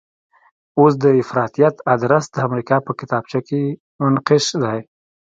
اوس د افراطیت ادرس د امریکا په کتابچه کې منقش دی.